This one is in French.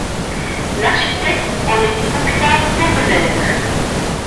L’architecte en est Octave Tondeleir.